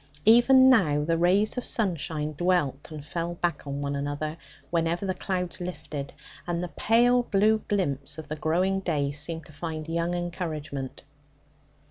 Even now the rays of sunshine dwelt and fell back on one another, whenever the clouds lifted; and the pale blue glimpse of the growing day seemed to find young encouragement.